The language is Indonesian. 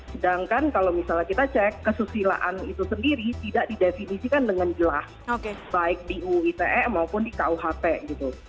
sedangkan kalau misalnya kita cek kesusilaan itu sendiri tidak didefinisikan dengan jelas baik di uu ite maupun di kuhp gitu